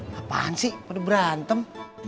makasih pada berantem